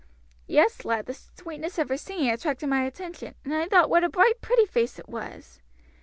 "Yes, lad, the sweetness of her singing attracted my attention, and I thought what a bright, pretty face it was!"